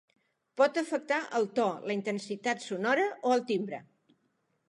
Pot afectar el to, la intensitat sonora o el timbre.